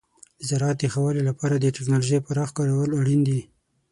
د زراعت د ښه والي لپاره د تکنالوژۍ پراخ کارول اړین دي.